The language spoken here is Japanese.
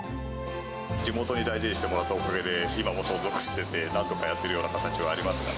地元に大事にしてもらったおかげで、今も存続してて、なんとかやっているような形はありますから。